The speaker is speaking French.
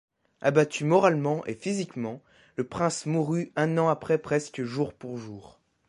Abattu moralement et physiquement, le prince mourut un an après presque jour pour jour.